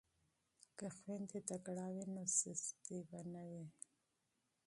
که خویندې تکړه وي نو سستي به نه وي.